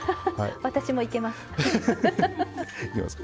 私もいけます。